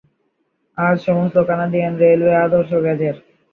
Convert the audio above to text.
আজ সমস্ত Canadian railway আদর্শ গেজের।